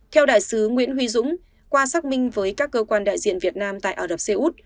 theo đại sứ nguyễn huy dũng qua xác minh với các cơ quan đại diện việt nam tại ả rập xê út